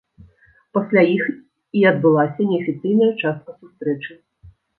Пасля іх і адбылася неафіцыйная частка сустрэчы.